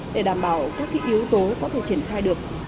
để đảm bảo các yếu tố có thể triển khai được